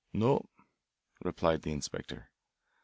"No," replied the inspector.